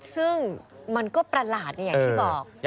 ซึ่งมันก็ประหลาดอย่างที่บอก